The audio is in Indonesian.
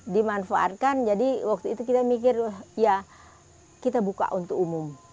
dimanfaatkan jadi waktu itu kita mikir ya kita buka untuk umum